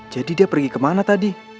jadi dia pergi ke mana tadi